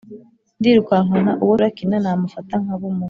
ndirukankana uwo turakina namufata nkabumuha.